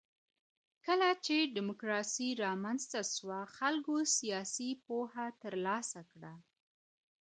کله چي ډيموکراسي رامنځته سوه خلګو سياسي پوهه ترلاسه کړه.